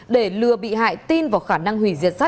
để lừa bị hại tin vào khả năng hủy diệt sắt